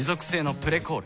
「プレコール」